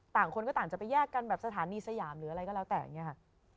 คนก็ต่างจะไปแยกกันแบบสถานีสยามหรืออะไรก็แล้วแต่อย่างนี้ค่ะ